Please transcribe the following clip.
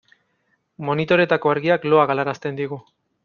Monitoreetako argiak loa galarazten digu.